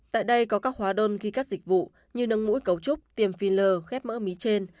tại đây có các hóa đơn ghi các dịch vụ như nâng mũi cấu trúc tiềm phin lơ khép mỡ mí trên